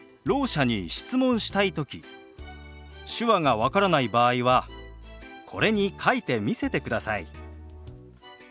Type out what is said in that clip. ろう者に質問したい時手話が分からない場合はこれに書いて見せてください。